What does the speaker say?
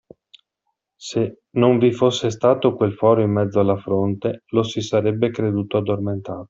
Se non vi fosse stato quel foro in mezzo alla fronte, lo si sarebbe creduto addormentato.